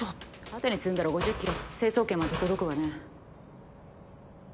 縦に積んだら５０ｋｍ成層圏まで届くわね。